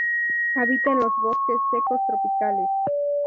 Habita en los bosques secos tropicales.